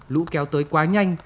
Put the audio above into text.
lũ kéo tới quá nhanh